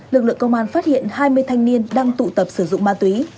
lực lượng công an phát hiện hai mươi thanh niên đang tụ tập sử dụng ma túy